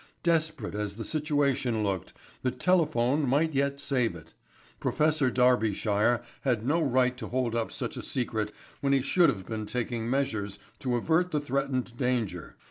Desperate as the situation looked, the Telephone might yet save it. Professor Darbyshire had no right to hold up such a secret when he should have been taking measures to avert the threatened danger.